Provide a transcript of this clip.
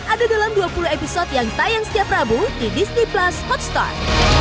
ada dalam dua puluh episode yang tayang setiap rabu di disney plus hotstar